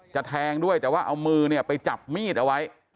แทงด้วยแต่ว่าเอามือเนี่ยไปจับมีดเอาไว้